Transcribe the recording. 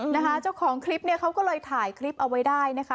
นะคะเจ้าของคลิปเนี่ยเขาก็เลยถ่ายคลิปเอาไว้ได้นะคะ